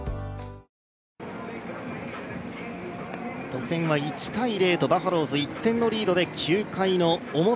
得点は１−０とバファローズ、１点リードで９回の表。